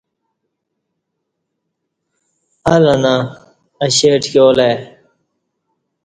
ال انہ اشی ٹکیالہ ای